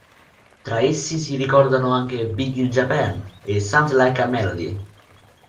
Tra essi si ricordano anche "Big in Japan" e "Sounds Like a Melody".